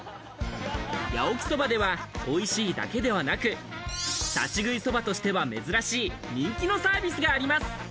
八起そばでは、おいしいだけではなく、立ち食いそばとしては珍しい人気のサービスがあります。